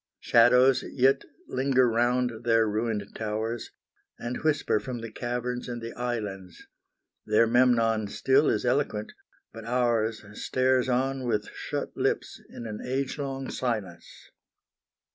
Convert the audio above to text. Shadows yet linger round their ruined towers, And whisper from the caverns and the islands, Their Memnon still is eloquent, but ours Stares on with shut lips in an age long silence.